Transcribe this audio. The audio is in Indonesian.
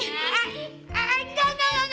eh enggak enggak enggak